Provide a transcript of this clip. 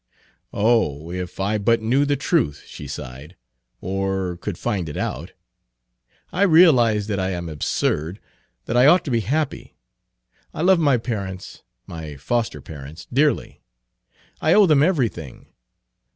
"Oh! if I but knew the truth!" she sighed, "or could find it out! I realize that I am absurd, that I ought to be happy. I love my parents my foster parents dearly. I owe them everything.